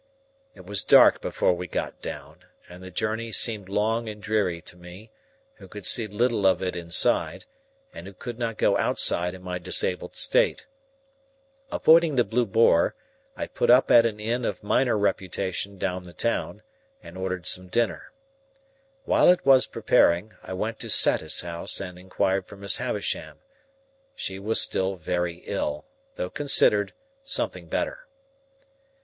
It was dark before we got down, and the journey seemed long and dreary to me, who could see little of it inside, and who could not go outside in my disabled state. Avoiding the Blue Boar, I put up at an inn of minor reputation down the town, and ordered some dinner. While it was preparing, I went to Satis House and inquired for Miss Havisham; she was still very ill, though considered something better.